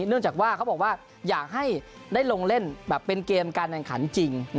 เนื่องจากว่าเขาบอกว่าอยากให้ได้ลงเล่นแบบเป็นเกมการแข่งขันจริง